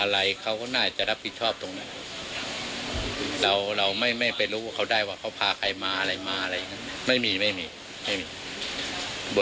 แล้วเคยเกิดเหตุการณ์แบบนี้ขึ้นไหมครับ